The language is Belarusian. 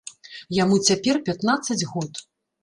Яму цяпер пятнаццаць год.